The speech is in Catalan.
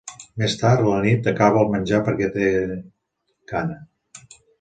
Mes tard, a la nit, acaba el menjar perquè té gana.